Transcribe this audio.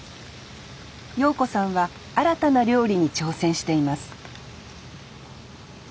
謡子さんは新たな料理に挑戦しています